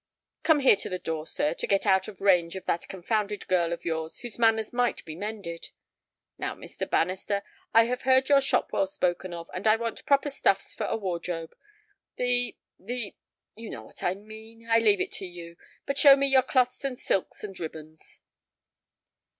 Come here to the door, sir, to get out of range of that confounded girl of yours, whose manners might be mended. Now, Mr. Bannister, I have heard your shop well spoken of, and I want proper stuffs for a wardrobe. The—the—you know what I mean—I leave it to you; but show me your cloths and silks and ribbons."